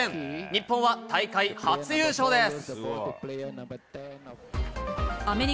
日本は大会初優勝です。